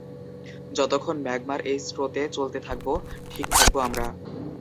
যতক্ষণ ম্যাগমার এই স্রোতে চলতে থাকব, ঠিক থাকব আমরা।